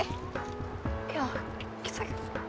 ya lah kita